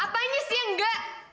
apanya sih yang enggak